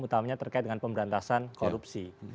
utamanya terkait dengan pemberantasan korupsi